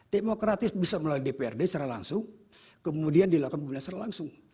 demokratis bisa melalui dprd secara langsung kemudian dilakukan pemerintah secara langsung